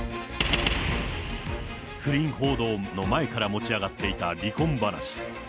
不倫報道も前から持ち上がっていた離婚話。